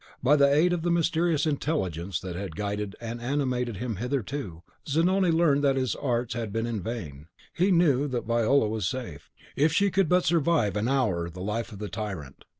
By the aid of the mysterious intelligence that had guided and animated him hitherto, Zanoni learned that his arts had been in vain. He knew that Viola was safe, if she could but survive an hour the life of the tyrant.